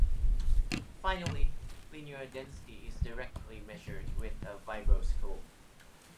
Finally, linear density is directly measured with a vibroscope.